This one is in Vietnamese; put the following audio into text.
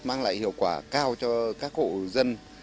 mang lại hiệu quả cao cho các hộ dân